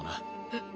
えっ？